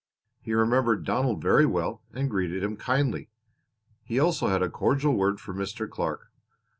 He remembered Donald very well and greeted him kindly; he also had a cordial word for Mr. Clark.